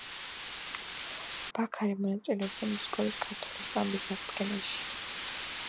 ბაქარი მონაწილეობდა მოსკოვის ქართული სტამბის აღდგენაში.